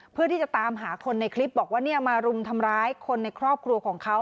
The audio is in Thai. เพื่อที่จะตามหาคนในคลิปบอกว่าเนี่ยมารุมทำร้ายคนในครอบครัวของเขา